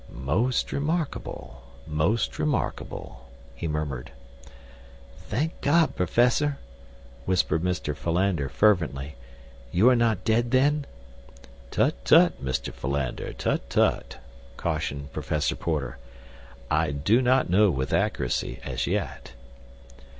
"Most remarkable, most remarkable," he murmured. "Thank God, Professor," whispered Mr. Philander, fervently, "you are not dead, then?" "Tut, tut, Mr. Philander, tut, tut," cautioned Professor Porter, "I do not know with accuracy as yet."